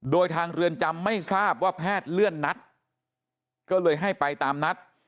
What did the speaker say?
โดยทางเรือนจำไม่ทราบว่าแพทย์เลื่อนนัดก็เลยให้ไปตามนัด